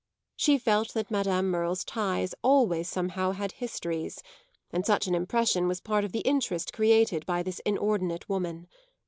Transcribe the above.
She felt that Madame Merle's ties always somehow had histories, and such an impression was part of the interest created by this inordinate woman.